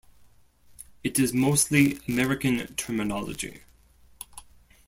It is mostly American terminology.